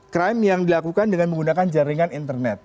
crime yang dilakukan dengan menggunakan jaringan internet